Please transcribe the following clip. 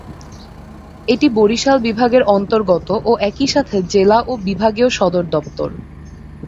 এটি বরিশাল বিভাগের অন্তর্গত ও একই সাথে জেলা ও বিভাগীয় সদর দপ্তর।